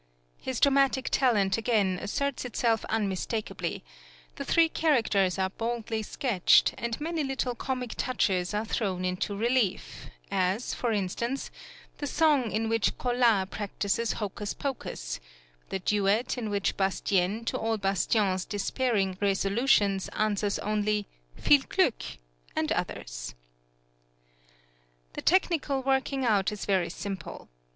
His dramatic talent again asserts itself unmistakably; the three characters are boldly sketched, and many little comic touches are thrown into relief, as, for instance, the song in which Colas practises hocus pocus, the duet in which Bastienne to all Bastien's despairing resolutions answers only: "Viel Glück!" and others. The technical working out is very simple.